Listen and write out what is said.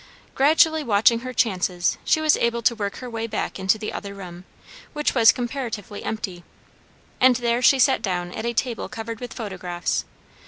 Gradually, watching her chances, she was able to work her way back into the other room, which was comparatively empty; and there she sat down at a table covered with photographs.